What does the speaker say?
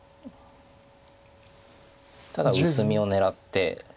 ただ薄みを狙って何か。